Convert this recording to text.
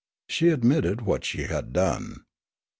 She admitted what she had done.